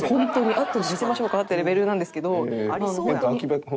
あとで見せましょうか？ってレベルなんですけど。